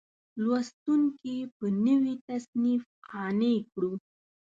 لوستونکي په نوي تصنیف قانع کړو.